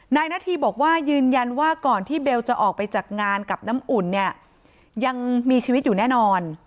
นาธีบอกว่ายืนยันว่าก่อนที่เบลจะออกไปจากงานกับน้ำอุ่นเนี่ยยังมีชีวิตอยู่แน่นอน